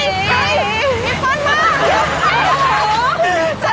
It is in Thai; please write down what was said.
พี่เปิ้ลมา